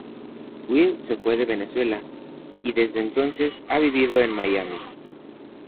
Weil se fue de Venezuela y desde entonces ha vivido en Miami.